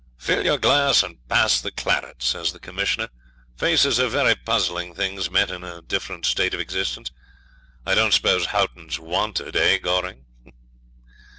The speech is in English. '"Fill your glass and pass the claret," says the Commissioner. "Faces are very puzzling things met in a different state of existence. I don't suppose Haughton's wanted, eh, Goring?"